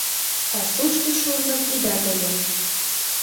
Пасушто шурным ӱдат ыле.